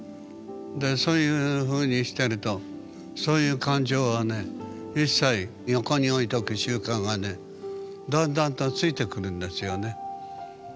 でそういうふうにしてるとそういう感情はね一切横に置いとく習慣がねだんだんとついてくるんですよね。